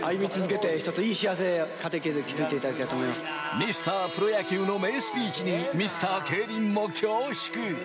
ミスタープロ野球の名スピーチにミスター競輪も恐縮。